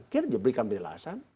kita juga berikan penjelasan